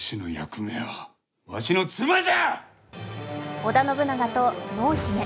織田信長と濃姫。